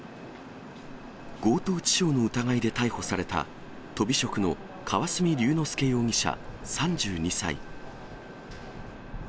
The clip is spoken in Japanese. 強盗致傷の疑いで逮捕されたとび職の河澄龍之介容疑者３２歳。